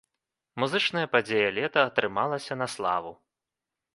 Музычная падзея лета атрымалася на славу.